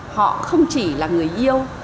họ không chỉ là người yêu